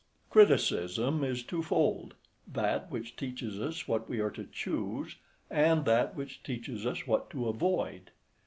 Criticism is twofold: that which teaches us what we are to choose, and that which teaches us what to avoid.